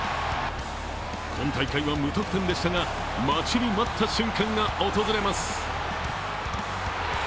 今大会は無得点でしたが、待ちに待った瞬間が訪れます。